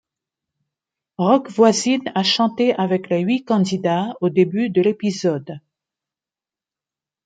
Roch Voisine a chanté avec les huit candidats, au début de l'épisode.